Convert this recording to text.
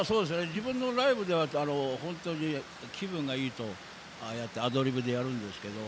自分のライブでは本当に気分がいいと、ああやってアドリブでやるんですけど。